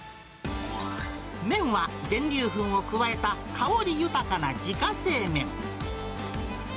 麺は全粒粉を加えた香り豊かな自家製麺。